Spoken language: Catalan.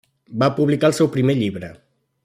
Va publicar el seu primer llibre.